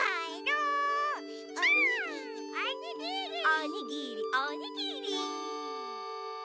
おにぎりおにぎり！